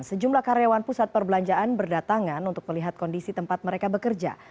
sejumlah karyawan pusat perbelanjaan berdatangan untuk melihat kondisi tempat mereka bekerja